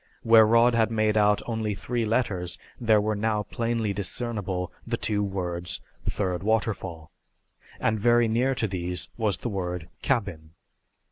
Where Rod had made out only three letters there were now plainly discernible the two words "third waterfall," and very near to these was the word "cabin."